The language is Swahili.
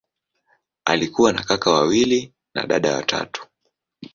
Alikuwa na kaka wawili na dada watatu.